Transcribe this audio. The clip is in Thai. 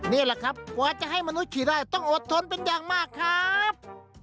นี่แหละครับกว่าจะให้มนุษย์ขี่ได้ต้องอดทนเป็นอย่างมากครับ